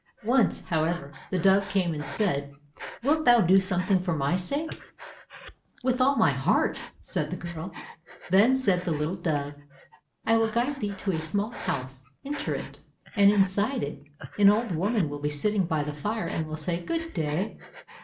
Once, however, the dove came and said, "Wilt thou do something for my sake?" "With all my heart," said the girl. Then said the little dove, "I will guide thee to a small house; enter it, and inside it, an old woman will be sitting by the fire and will say, 'Good day.